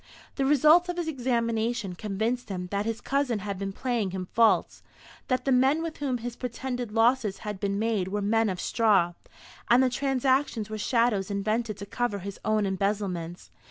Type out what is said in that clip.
The result of his examination convinced him that his cousin had been playing him false; that the men with whom his pretended losses had been made were men of straw, and the transactions were shadows invented to cover his own embezzlements.